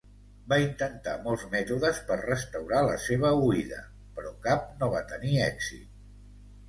Van intentar molts mètodes per restaurar la seva oïda, però cap no va tenir èxit.